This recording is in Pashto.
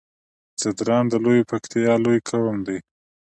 ځدراڼ د لويې پکتيا لوی قوم دی